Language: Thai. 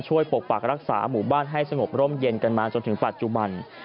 ปกปักรักษาหมู่บ้านให้สงบร่มเย็นกันมาจนถึงปัจจุบัน